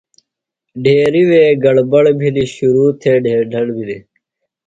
ڈھیریۡ وے گڑ بڑ بِھلیۡ، شِروۡ تھے ڈہیر دڑ بِھلیۡ